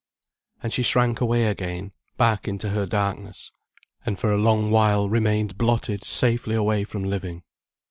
And she shrank away again, back into her darkness, and for a long while remained blotted safely away from living.